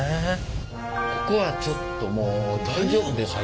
ここはちょっともう大丈夫ですか？